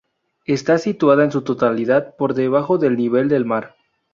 Está situada en su totalidad por debajo del nivel del mar.